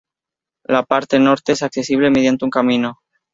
La parte norte es accesible mediante un camino.